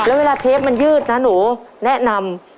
แล้วเวลาเทปมันยืดนะหนูแนะนำ